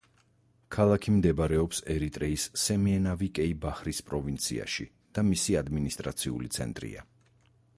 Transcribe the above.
ქალაქი მდებარეობს ერიტრეის სემიენავი-კეი-ბაჰრის პროვინციაში და მისი ადმინისტრაციული ცენტრია.